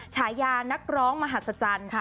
ฉายานักร้องมหัศจรรย์